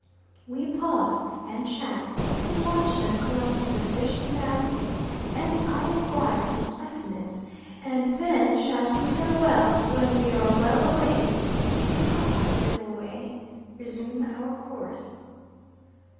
We pause and chat, and watch them collecting the fish in baskets, and I acquire some specimens; and then, shouting farewells when we are well away, in the proper civil way, resume our course.